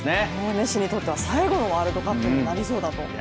メッシにとっては最後のワールドカップになりそうだと。